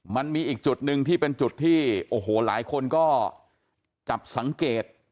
มันมีอีกจุดหนึ่งที่เป็นจุดที่โอ้โหหลายคนก็จับสังเกต